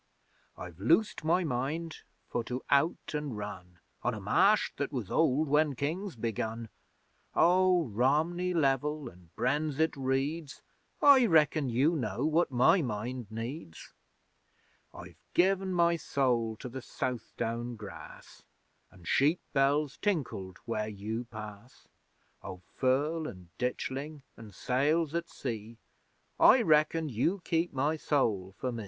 I've loosed my mind for to out an' run On a Marsh that was old when Kings begun: Oh, Romney level an' Brenzett reeds, I reckon you know what my mind needs! I've given my soul to the Southdown grass, An' sheep bells tinkled where you pass. Oh, Firle an' Ditchling an' sails at sea, I reckon you keep my soul for me!